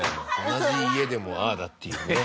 同じ家でもああだっていうね。